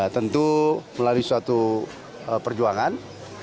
tentu melalui suatu perjuangan